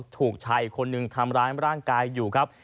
ถูกชายอีกคนนึงทำร้ายร่างกายอยู่ครับ